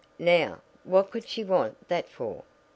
Now, what could she want that for?"